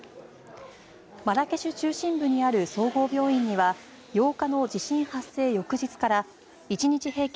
マラケシュ中心部にある総合病院には８日の地震発生翌日から１日平均